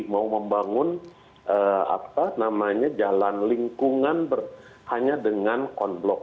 mau membangun jalan lingkungan hanya dengan konblok